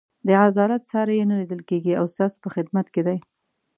د عدالت ساری یې نه لیدل کېږي او ستاسو په خدمت کې دی.